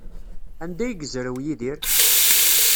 Anda ay yezrew Yidir?